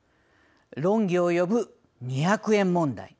論議を呼ぶ２００円問題。